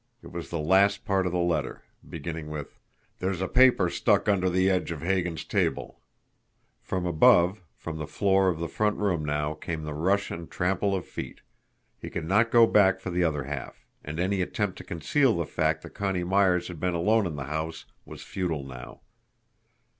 It was the last part of the letter, beginning with: "There's a paper stuck under the edge of Hagan's table " From above, from the floor of the front room now, came the rush and trample of feet. He could not go back for the other half. And any attempt to conceal the fact that Connie Myers had been alone in the house was futile now.